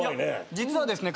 実はですね